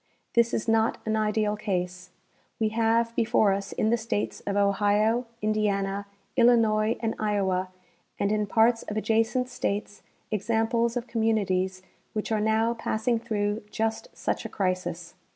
This is not an ideal case. We have before us in the states of Ohio, Indiana, Illinois and Iowa, and in parts of adjacent states examples of communities Avhich are now passing through just such a crisis.